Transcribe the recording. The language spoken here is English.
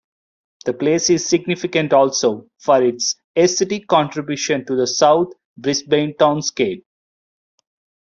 The place is significant also for its aesthetic contribution to the South Brisbane townscape.